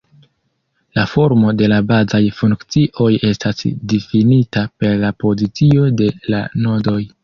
La formo de la bazaj funkcioj estas difinita per la pozicio de la nodoj.